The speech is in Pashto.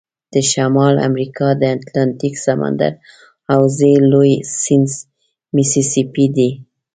د شمال امریکا د اتلانتیک سمندر حوزې لوی سیند میسی سی پي دی.